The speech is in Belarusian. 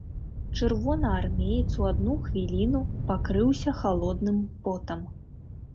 Чырвонаармеец у адну хвіліну пакрыўся халодным потам.